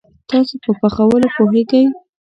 تاسو په پخولوو پوهیږئ؟